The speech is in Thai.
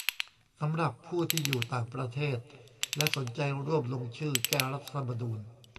สำหรับผู้ที่อยู่ต่างประเทศ และสนใจร่วมลงชื่อแก้รัฐธรรมนูญ